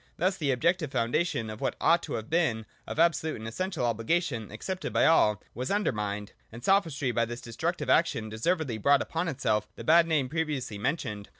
Thus the objective foundation of what ought to have been of absolute and essential obligation, accepted by all, was undermined : and Sophistry by this destructive action deservedly brought upon itself the bad name pre viously mentioned.